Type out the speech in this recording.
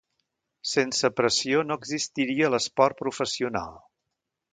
Sense pressió no existiria l’esport professional.